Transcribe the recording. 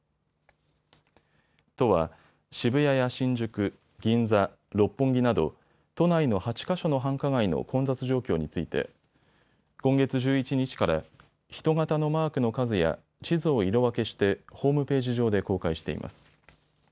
都は渋谷や新宿、銀座、六本木など都内の８か所の繁華街の混雑状況について今月１１日から人型のマークの数や地図を色分けしてホームページ上で公開しています。